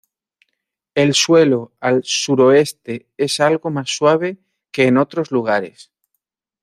El suelo al suroeste es algo más suave que en otros lugares.